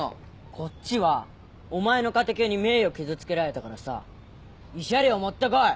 こっちはお前のカテキョに名誉傷つけられたからさ慰謝料持って来い！